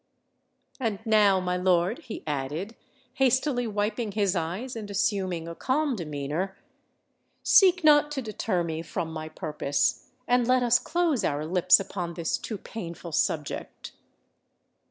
And now, my lord," he added, hastily wiping his eyes and assuming a calm demeanour, "seek not to deter me from my purpose—and let us close our lips upon this too painful subject!"